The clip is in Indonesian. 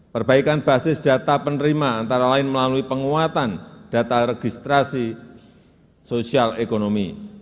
perbaikan basis data penerima antara lain melalui penguatan data registrasi sosial ekonomi